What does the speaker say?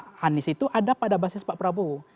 pak anies itu ada pada basis pak prabowo